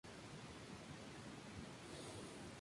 Posteriormente fue varias veces derrotado por Jeff Hardy.